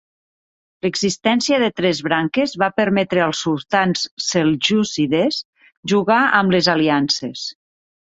L'existència de tres branques va permetre als sultans seljúcides jugar amb les aliances.